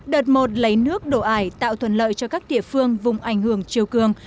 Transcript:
đợt một lấy nước đổ ải tạo thuận lợi cho các địa phương vùng ảnh hưởng chiều cường